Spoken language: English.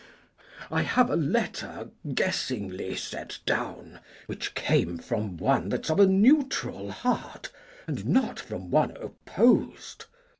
Glou. I have a letter guessingly set down, Which came from one that's of a neutral heart, And not from one oppos'd.